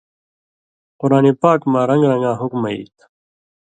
قران پاک مہ رن٘گ رن٘گاں حُکمہ ای تھہ